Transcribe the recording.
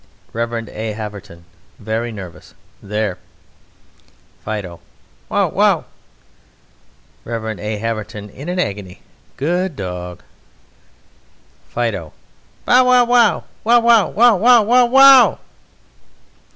REV. A. HAVERTON (very nervous): There! FIDO: Wow! wow! REV. A. HAVERTON (in an agony): Good dog! FIDO: Bow! wow! wow! Wow, wow! Wow!! WOW!!!